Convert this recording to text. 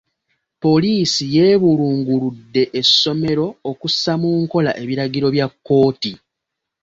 Poliisi yeebulunguludde essomero okussa mu nkola ebiragiro bya kkooti.